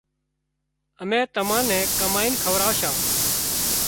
امين تمان نين ڪمائينَ کوراوشان